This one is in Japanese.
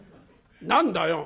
何だよ？」。